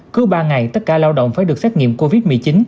cứ ba ngày tất cả lao động phải được xét nghiệm covid một mươi chín